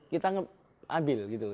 kita ambil gitu